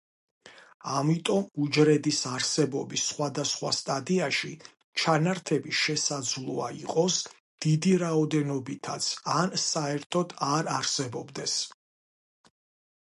ამიტომ უჯრედის არსებობის სხვადასხვა სტადიაში ჩანართები შესაძლოა იყოს დიდი რაოდენობითაც ან საერთოდ არ არსებობდეს.